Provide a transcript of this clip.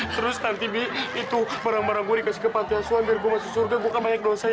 terus nanti itu perang perang gue dikasih ke pantai asuhan dan gua surga bukan banyak dosa